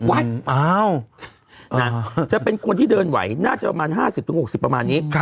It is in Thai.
จะเป็นคนที่เดินไหวน่าจะประมาณ๕๐๖๐ประมาณนี้